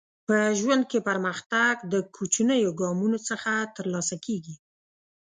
په ژوند کې پرمختګ د کوچنیو ګامونو څخه ترلاسه کیږي.